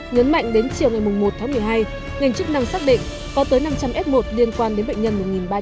nhấn mạnh đến chiều ngày một tháng một mươi hai ngành chức năng xác định có tới năm trăm linh s một liên quan đến bệnh nhân một nghìn ba trăm bốn mươi bảy